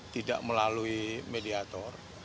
tidak melalui mediator